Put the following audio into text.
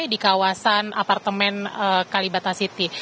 di kawasan apartemen kalibata city